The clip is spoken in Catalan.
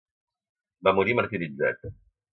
Va morir martiritzat.